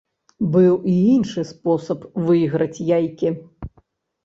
Быў і іншы спосаб выйграць яйкі.